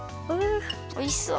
おいしそう。